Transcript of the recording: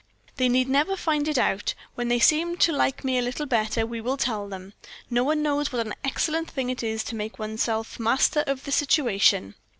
"'They need never find it out. When they seem to like me a little better, we will tell them. No one knows what an excellent thing it is to make one's self master of the situation.